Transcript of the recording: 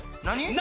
何？